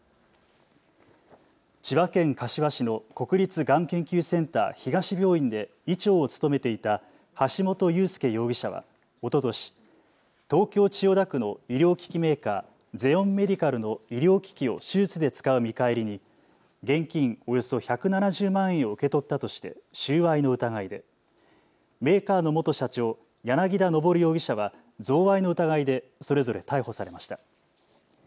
千葉県柏市の国立がん研究センター東病院で医長を務めていた橋本裕輔容疑者はおととし東京千代田区の医療機器メーカー、ゼオンメディカルの医療機器を手術で使う見返りに現金およそ１７０万円を受け取ったとして収賄の疑いで、メーカーの元社長、柳田昇容疑者は贈賄の疑いでそれぞれ逮捕されました。